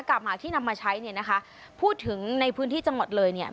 หมากที่นำมาใช้เนี่ยนะคะพูดถึงในพื้นที่จังหวัดเลยเนี่ย